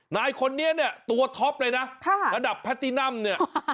นายคนนี้เนี่ยตัวท็อปเลยนะระดับแพตตินัมเนี่ย